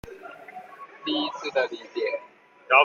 第一次的離別